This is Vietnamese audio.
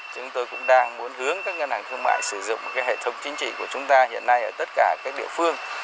chúng tôi cũng đang muốn hướng các ngân hàng thương mại sử dụng một hệ thống chính trị của chúng ta hiện nay ở tất cả các địa phương